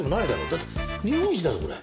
だって日本一だぞこれ。